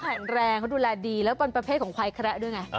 แข็งแรงเขาดูแลดีแล้วเป็นประเภทของควายแคระด้วยไง